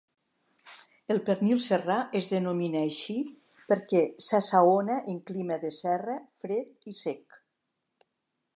El pernil serrà es denomina així perquè s'assaona en clima de serra, fred i sec.